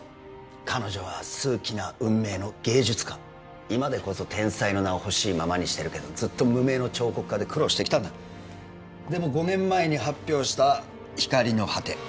彼女は数奇な運命の芸術家今でこそ天才の名をほしいままにしてるけどずっと無名の彫刻家で苦労してきたんだでも５年前に発表した「光の果て」